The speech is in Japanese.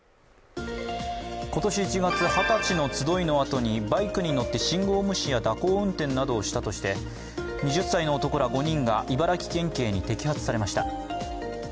今年１月、二十歳の集いのあとにバイクに乗って信号無視や蛇行運転などをしたとして２０歳の男ら５人が茨城県警に摘発されました。